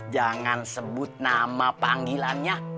jangan sebut nama panggilannya